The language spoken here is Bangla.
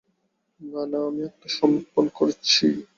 না না, আমি আত্মসমর্পণ করছি।